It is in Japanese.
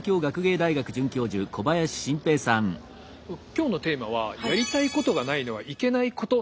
今日のテーマは「やりたいことがないのはいけないこと？」